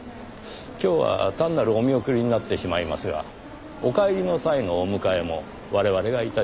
今日は単なるお見送りになってしまいますがお帰りの際のお迎えも我々が致しましょう。